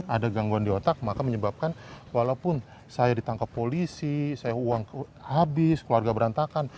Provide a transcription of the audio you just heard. ada gangguan di otak maka menyebabkan walaupun saya ditangkap polisi saya uang habis keluarga berantakan